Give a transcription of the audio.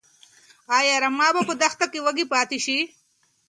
ايا رمه به په دښته کې وږي پاتې شي؟